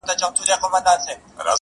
مینه کي اور بلوې ما ورته تنها هم پرېږدې~